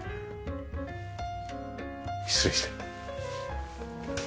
失礼して。